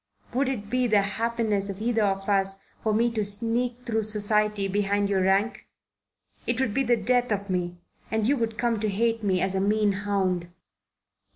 Would it be to the happiness of either of us for me to sneak through society behind your rank? It would be the death of me and you would come to hate me as a mean hound."